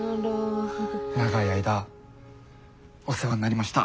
長い間お世話になりました。